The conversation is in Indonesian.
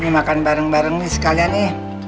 makan bareng bareng nih sekalian nih